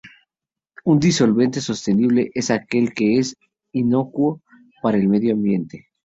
Un disolvente sostenible es aquel que es inocuo para el medio ambiente.